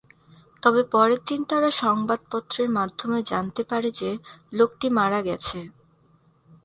তবে পরের দিন তারা সংবাদপত্রের মাধ্যমে জানতে পারে যে লোকটি মারা গেছে।